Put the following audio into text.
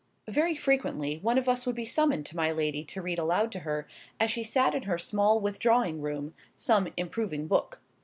Very frequently one of us would be summoned to my lady to read aloud to her, as she sat in her small withdrawing room, some improving book.